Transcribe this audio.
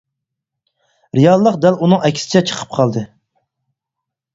رېئاللىق دەل ئۇنىڭ ئەكسىچە چىقىپ قالدى.